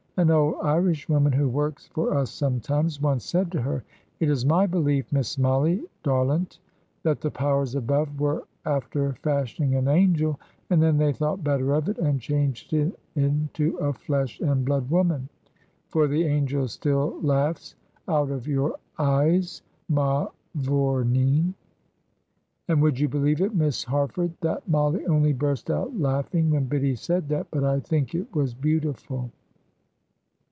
"An old Irishwoman who works for us sometimes, once said to her, 'It is my belief, Miss Mollie darlint, that the Powers above were after fashioning an angel, and then they thought better of it, and changed it into a flesh and blood woman. For the angel still laughs out of your eyes, mavourneen.' And would you believe it, Miss Harford, that Mollie only burst out laughing when Biddy said that, but I think it was beautiful."